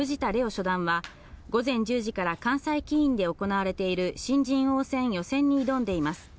初段は午前１０時から関西棋院で行われている新人王戦・予選に挑んでいます。